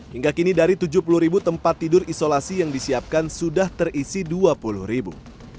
hingga kini dari tujuh puluh ribu tempat tidur isolasi yang disiapkan sudah terisi dua puluh ribu